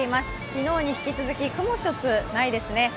昨日に引き続き、雲ひとつないですね。